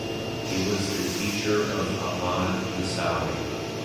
He was the teacher of Ahmad Nasawi.